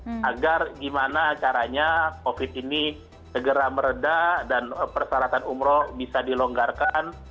agar gimana caranya covid ini segera meredah dan persyaratan umroh bisa dilonggarkan